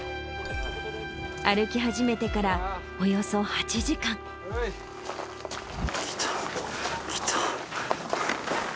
歩き始めてからおよそ８時間。来た、来た。